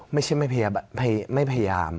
ไม่ใช่ไม่พยายาม